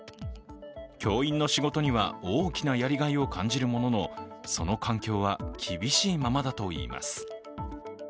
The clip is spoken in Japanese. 教員の仕事には大きなやりがいを感じるものの、その環境は厳しいままだといいます。